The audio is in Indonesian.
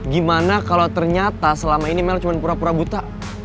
gimana kalau ternyata selama ini mel cuma pura pura buta